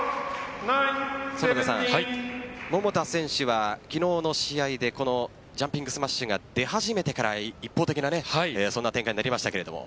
桃田選手は昨日の試合でジャンピングスマッシュが出始めてから、一方的な展開になりましたが。